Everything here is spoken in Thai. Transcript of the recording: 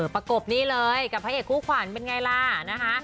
ประกบนี่เลยกับพระเอกคู่ขวัญเป็นไงล่ะนะคะ